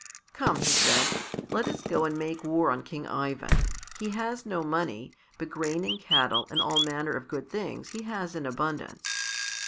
"Come," he said, "let us go and make war on King Ivan. He has no money, but grain and cattle and all manner of good things he has in abundance."